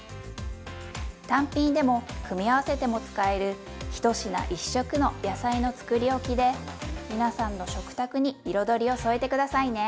単品でも組み合わせても使える「１品１色の野菜のつくりおき」で皆さんの食卓に彩りを添えて下さいね。